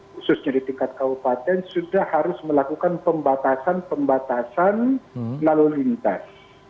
khususnya di tingkat kabupaten sudah harus melakukan pembatasan pembatasan lalu lintas